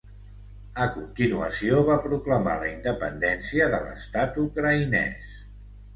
A continuació, va proclamar la independència de l'Estat ucraïnès.